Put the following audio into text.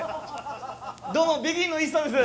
どうもＢＥＧＩＮのＩＳＳＡです。